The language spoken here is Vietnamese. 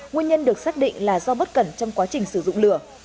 nguyên nhân được xác định là do bất cẩn trong quá trình sử dụng lửa